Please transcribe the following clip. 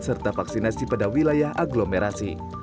serta vaksinasi pada wilayah agglomerasi